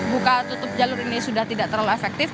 buka tutup jalur ini sudah tidak terlalu efektif